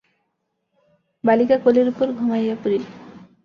বালিকা কোলের উপর ঘুমাইয়া পড়িল।